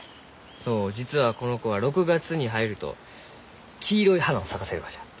そう実はこの子は６月に入ると黄色い花を咲かせるがじゃ。